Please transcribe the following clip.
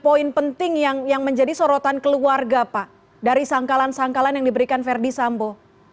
apa yang anda lakukan dari keluarga pak dari sangkalan sangkalan yang diberikan verdi sambo